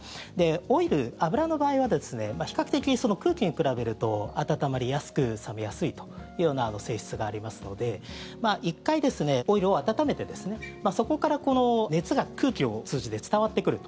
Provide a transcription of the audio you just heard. オイル、油の場合は比較的空気に比べると温まりやすく冷めやすいというような性質がありますので１回、オイルを温めてそこから熱が空気を通じて伝わってくると。